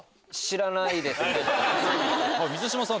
水島さん